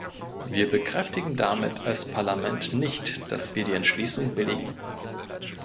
Wir bekräftigen damit als Parlament nicht, dass wir die Entschließung billigen.